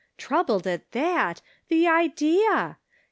Troubled at that ! The idea